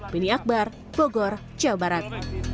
beni akbar bogor jawa barat